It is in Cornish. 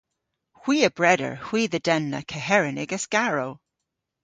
Hwi a breder hwi dhe denna keheren y'gas garrow.